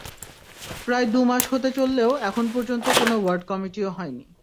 প্রায় দুই মাস হতে চললেও এখন পর্যন্ত কোনো ওয়ার্ড কমিটিও হয়নি।